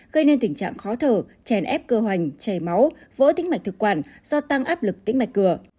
gây nên tình trạng khó thở chèn ép cơ hoành chảy máu vỡ tính mạch thực quản do tăng áp lực tĩnh mạch cửa